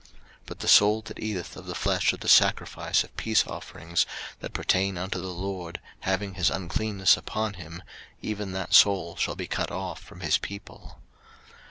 03:007:020 But the soul that eateth of the flesh of the sacrifice of peace offerings, that pertain unto the LORD, having his uncleanness upon him, even that soul shall be cut off from his people.